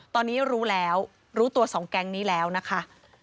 ตอนนี้รู้แล้วรู้ตัวสองแก๊งนี้แล้วนะคะ